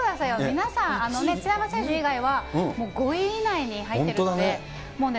皆さん、常山選手以外は５位以内に入っているんですね。